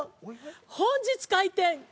「本日開店！！